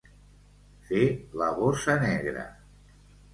Fer la bossa negra.